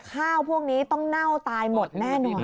พวกนี้ต้องเน่าตายหมดแน่นอน